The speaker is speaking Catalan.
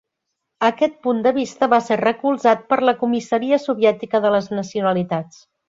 Aquest punt de vista va ser recolzat per la comissaria Soviètica de les nacionalitats.